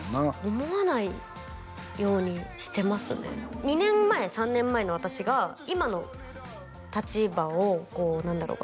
思わないようにしてますね２年前３年前の私が今の立場をこう何だろうかな？